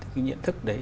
nhận thức đấy